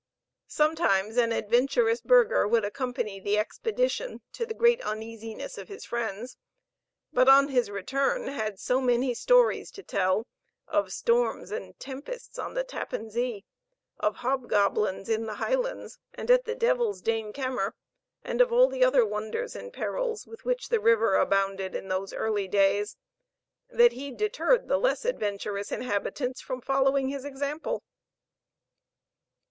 Sometimes an adventurous burgher would accompany the expedition, to the great uneasiness of his friends; but, on his return, had so many stories to tell of storms and tempests on the Tappan Zee, of hobgoblins in the Highlands and at the Devil's Dane Kammer, and of all the other wonders and perils with which the river abounded in those early days, that he deterred the less adventurous inhabitants from following his xample.